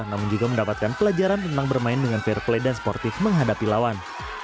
namun juga mendapatkan pelajaran tentang bermain dengan fair play dan sportif menghadapi lawan